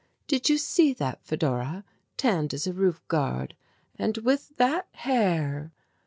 "Did you see that, Fedora, tanned as a roof guard and with that hair!"